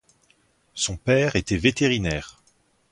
Son père était vétérinaire.